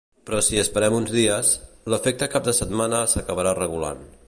Però si esperem uns dies, l’efecte cap de setmana s’acabarà regulant.